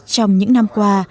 trong những năm qua